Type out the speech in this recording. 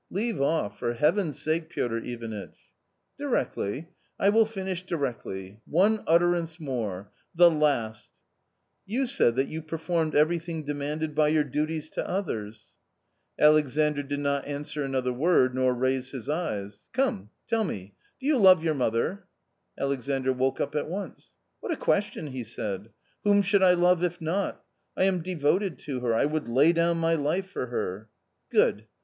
Leave off, for heaven's sake, Piotr Ivanitch." " Directly : I will finish directly — one utterance more— the last I You said that you performed everything demanded by your duties to others ?" Alexandr did not answer another word nor raise his eyes. " C ome, tell me, do you love your mother ?_" 4 N Atexanar woke up at once. " What a question ?" he said ;" whom should I love if not ? I am devoted to her, I woul d lay down my life for her." " Good?'